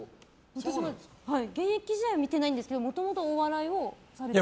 現役時代見てないんですけどもともと、お笑いをされてたと。